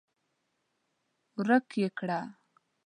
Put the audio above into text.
ورک يې کړه!